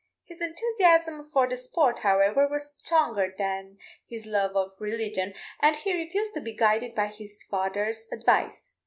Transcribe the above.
His enthusiasm for the sport, however, was stronger than his love of religion, and he refused to be guided by his father's advice.